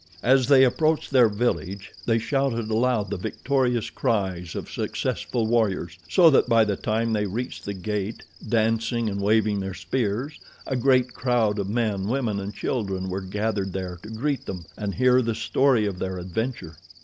As they approached their village, they shouted aloud the victorious cries of successful warriors, so that by the time they reached the gate, dancing and waving their spears, a great crowd of men, women, and children were gathered there to greet them and hear the story of their adventure.